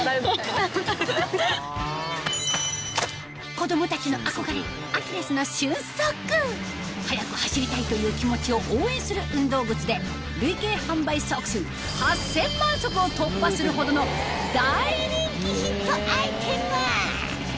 子供たちの憧れアキレスの瞬足速く走りたいという気持ちを応援する運動靴でするほどの大人気ヒットアイテム！